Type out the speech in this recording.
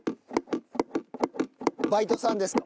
バイトさんですか？